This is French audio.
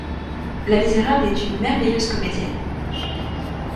La misérable est une merveilleuse comédienne.